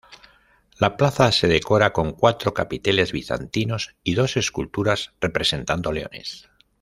La plaza se decora con cuatro capiteles bizantinos y dos esculturas representando leones.